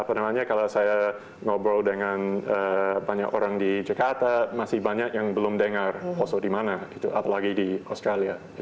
apa namanya kalau saya ngobrol dengan banyak orang di jakarta masih banyak yang belum dengar poso di mana gitu apalagi di australia